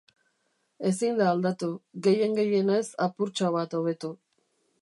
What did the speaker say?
Ezin da aldatu, gehien-gehienez apurtxo bat hobetu.